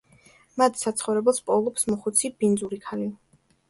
მათ საცხოვრებელს პოულობს მოხუცი, ბინძური ქალი.